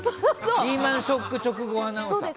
リーマン・ショック直後アナウンサー。